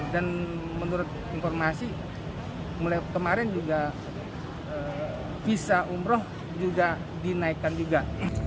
dan menurut informasi mulai kemarin juga visa umroh juga dinaikan juga